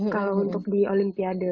kalau untuk di olimpiade